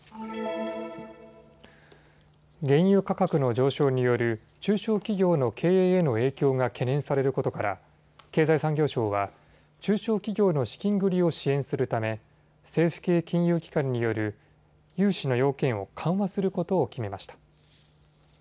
原油価格の上昇による中小企業の経営への影響が懸念されることから経済産業省は中小企業の資金繰りを支援するため政府系金融機関による融資の要件を緩和することを決めました。